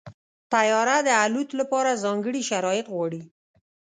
طیاره د الوت لپاره ځانګړي شرایط غواړي.